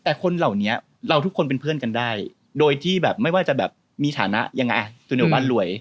แต่คนเหล่านี้เราทุกคนเป็นเพื่อนกันได้โดยที่แบบไม่ว่าจะแบบมีฐานะยังไงตัวเดียวบ้านรวย